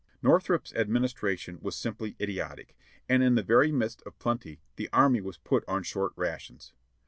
Northrup's administration was simply idiotic, and in the very midst of plenty the army was put on short rations.